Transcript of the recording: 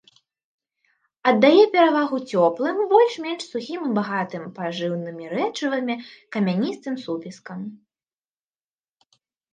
Аддае перавагу цёплым, больш-менш сухім і багатым пажыўнымі рэчывамі камяністым супескам.